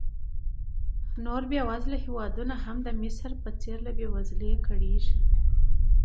نور بېوزله هېوادونه هم د مصر په څېر له بېوزلۍ کړېږي.